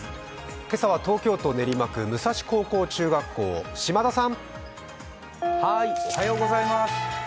今朝は東京都練馬区武蔵高校中学校、島田さん。